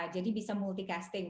jadi bisa multi casting